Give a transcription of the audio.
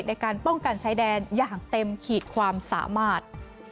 ในการป้องกันชายแดนอย่างเต็มขีดความสามารถ